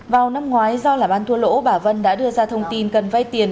vào năm ngoái do là ban thua lỗ bà vân đã đưa ra thông tin cần vây tiền